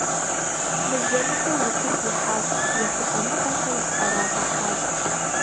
Мызэ-мытӀэу утыку ихьащ, ехъулӀэныгъэхэр зыӀэрагъэхьащ.